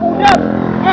buat lama juga